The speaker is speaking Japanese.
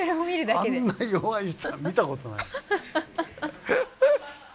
あんな弱い人は見たことないです。